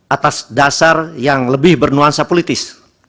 atas dasar yang lebih bernuansa dan berkualitas